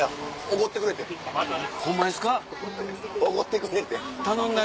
おごってくれてん。